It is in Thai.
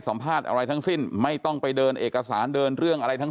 สัมภาษณ์อะไรทั้งสิ้นไม่ต้องไปเดินเอกสารเดินเรื่องอะไรทั้ง